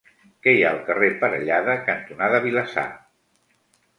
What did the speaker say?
Què hi ha al carrer Parellada cantonada Vilassar?